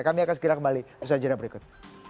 kami akan segera kembali di segmen berikut